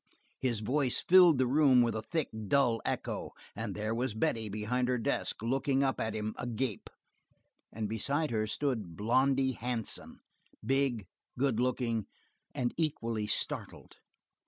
His voice filled the room with a thick, dull echo, and there was Betty behind her desk looking up at him agape; and beside her stood Blondy Hansen, big, good looking, and equally startled.